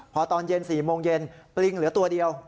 พอตอนเย็น๔โมงเย็นปลิงเหลือตัวเดียว